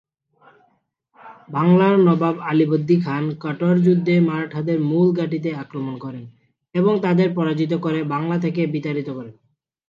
বাংলার নবাব আলীবর্দী খান কাটোয়ার যুদ্ধে মারাঠাদের মূল ঘাঁটিতে আক্রমণ করেন এবং তাদেরকে পরাজিত করে বাংলা থেকে বিতাড়িত করেন।